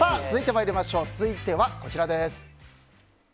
続いては、こちらです。